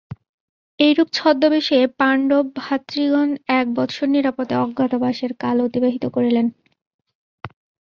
এইরূপ ছদ্মবেশে পাণ্ডবভাতৃগণ এক বৎসর নিরাপদে অজ্ঞাতবাসের কাল অতিবাহিত করিলেন।